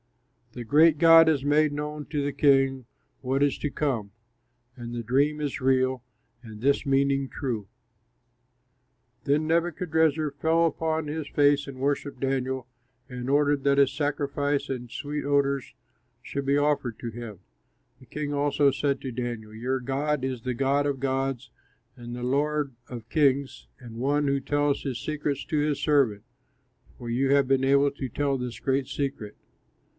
"The great God has made known to the king what is to come, and the dream is real and this meaning true." Then King Nebuchadrezzar fell upon his face and worshipped Daniel, and ordered that a sacrifice and sweet odors should be offered to him. The king also said to Daniel, "Your God is the God of gods and the Lord of kings, and one who tells his secrets to his servant, for you have been able to tell this great secret."